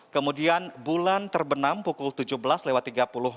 kemudian bulan terbenam pukul tujuh belas lewat tiga puluh